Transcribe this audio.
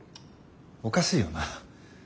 おかしいよな。